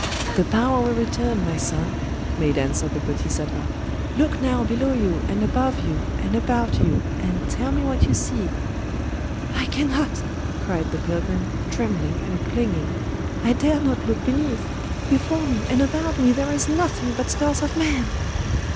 "The power will return, my son," made answer the Bodhisattva…. "Look now below you and above you and about you, and tell me what you see." "I cannot," cried the pilgrim, trembling and clinging; "I dare not look beneath! Before me and about me there is nothing but skulls of men."